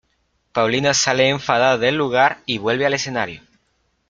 Paulina sale enfadada del lugar y vuelve al escenario.